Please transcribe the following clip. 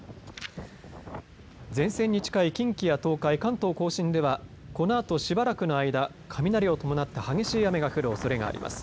前線に近い近畿や東海、関東甲信ではこのあと、しばらくの間雷を伴った激しい雨が降るおそれがあります。